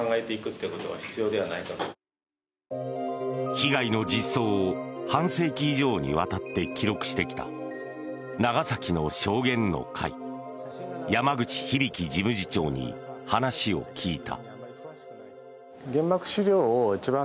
被害の実相を半世紀以上にわたって記録してきた長崎の証言の会山口響事務次長に話を聞いた。